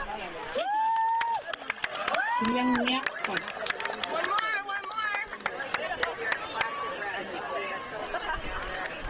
Piḷaniaqpat?